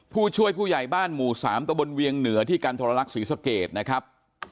ผู้ช่วยผู้ใหญ่บ้านหมู่๓ตะบนเวียงเหนือที่กันทรลักษณ์ศรีสเกตนะครับ